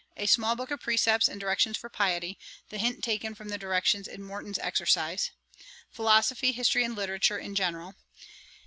'A small book of precepts and directions for piety; the hint taken from the directions in Morton's exercise. 'PHILOSOPHY, HISTORY, and LITERATURE in general.